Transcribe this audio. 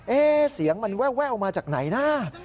เสียงมันแววมาจากไหนนะ